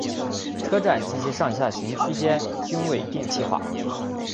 车站及其上下行区间均未电气化。